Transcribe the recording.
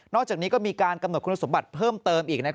อกจากนี้ก็มีการกำหนดคุณสมบัติเพิ่มเติมอีก